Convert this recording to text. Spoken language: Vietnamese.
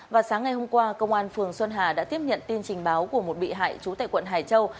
và sáng ngày hôm qua công an phường xuân hà đã tiếp nhận tin trình báo của một bị hại trú tại quận hải châu